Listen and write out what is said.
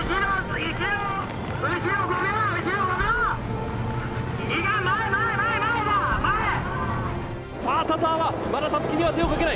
いいか、さあ、田澤はまだたすきには手をかけない。